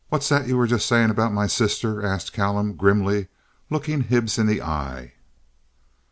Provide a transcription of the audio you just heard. "What's that you were just saying about my sister?" asked Callum, grimly, looking Hibbs in the eye.